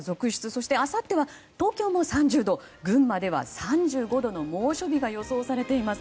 そしてあさっては東京が３０度群馬では３５度の猛暑日が予想されています。